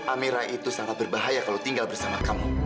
amira itu sangat berbahaya kalau tinggal bersama kamu